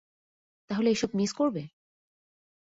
তাহলে এইসব মিস করবে?